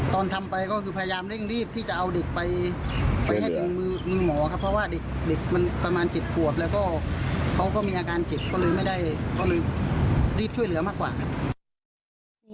ตอนทำไปก็คือพยายามเร่งรีบที่จะเอาเด็กไปให้เป็นมือหมอครับเพราะว่าเด็กมันประมาณ๗ขวบแล้วก็เขาก็มีอาการเจ็บก็เลยไม่ได้ก็เลยรีบช่วยเหลือมากกว่าครับ